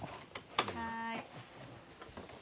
はい。